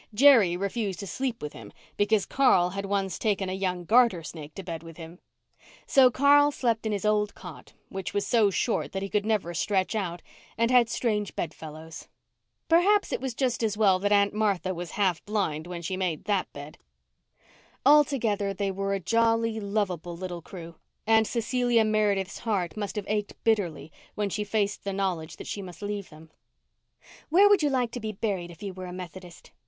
Jerry refused to sleep with him because Carl had once taken a young garter snake to bed with him; so Carl slept in his old cot, which was so short that he could never stretch out, and had strange bed fellows. Perhaps it was just as well that Aunt Martha was half blind when she made that bed. Altogether they were a jolly, lovable little crew, and Cecilia Meredith's heart must have ached bitterly when she faced the knowledge that she must leave them. "Where would you like to be buried if you were a Methodist?"